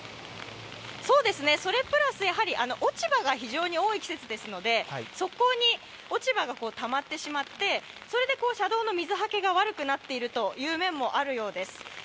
それプラス落ち葉が非常に多い季節ですので側溝に落ち葉がたまってしまって車道の水はけが悪くなっている面があるようです。